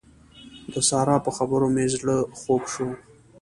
د سارا په خبرو مې زړه خوږ شو.